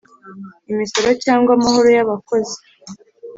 imisoro cyangwa amahoro yabakozi